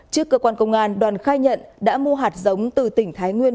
trước cơ quan công an đoàn khai nhận đã mua hạt giống từ tỉnh thái nguyên